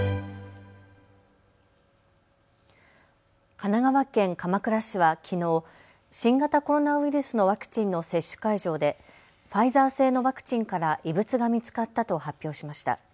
神奈川県鎌倉市はきのう新型コロナウイルスのワクチンの接種会場でファイザー製のワクチンから異物が見つかったと発表しました。